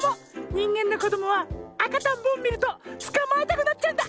にんげんのこどもはあかとんぼをみるとつかまえたくなっちゃうんだ！